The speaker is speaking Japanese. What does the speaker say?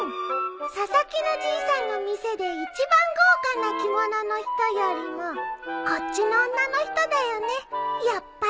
佐々木のじいさんの店で一番豪華な着物の人よりもこっちの女の人だよねやっぱり。